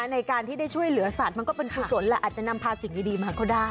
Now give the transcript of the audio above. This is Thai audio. ในการที่ได้ช่วยเหลือสัตว์มันก็เป็นกุศลและอาจจะนำพาสิ่งดีมาก็ได้